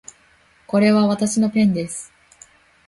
これはわたしのペンです